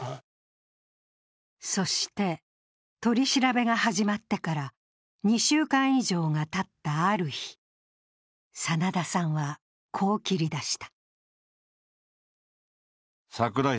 そして、取り調べが始まってから２週間以上がたった、ある日、真田さんはこう切り出した。